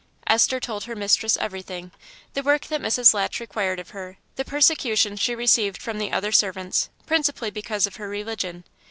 Esther told her mistress everything the work that Mrs. Latch required of her, the persecution she received from the other servants, principally because of her religion.